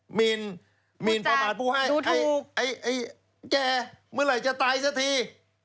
หมินประมาทผู้ให้แก่เมื่อไหร่จะตายสักที